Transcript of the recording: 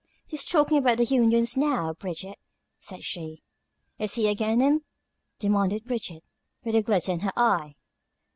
"He's talkin' about the unions, now, Bridget," said she. "Is he agin 'em?" demanded Bridget, with a glitter in her eye.